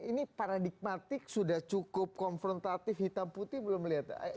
ini paradigmatik sudah cukup konfrontatif hitam putih belum melihat